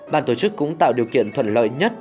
bàn tổ chức cũng tạo điều kiện thuận lợi nhất